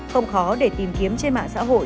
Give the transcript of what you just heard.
không khó để tìm kiếm trên mạng xã hội